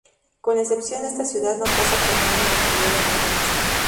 Con la excepción de esta ciudad, no pasa por ninguna localidad de relevancia.